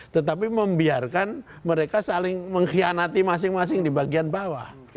tetapi membiarkan mereka saling mengkhianati masing masing di bagian bawah